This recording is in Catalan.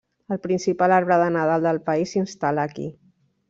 El principal arbre de Nadal del país s'instal·la aquí.